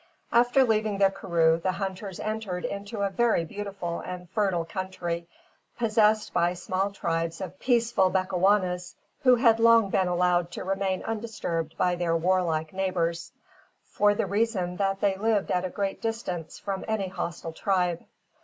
After leaving the karroo, the hunters entered into a very beautiful and fertile country possessed by small tribes of peaceful Bechuanas, who had long been allowed to remain undisturbed by their warlike neighbours, for the reason that they lived at a great distance from any hostile tribe.